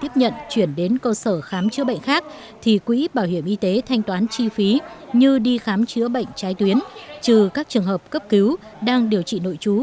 xin kính chào và hẹn gặp lại